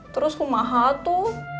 terus rumah hatu